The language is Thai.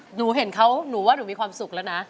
หนูเห็นเขาหนูว่าหนูมีความสุขแล้วนะ